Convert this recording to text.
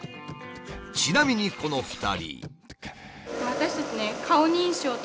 ちなみにこの２人。